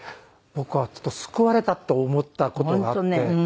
僕はちょっと救われたと思った事があって。